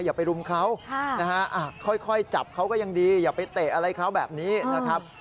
อย่าไปรุมเขานะฮะค่อยจับเขาก็ยังดีอย่าไปเตะอะไรเขาแบบนี้นะครับ